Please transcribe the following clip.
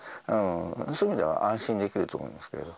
そういう意味では安心できると思いますけれども。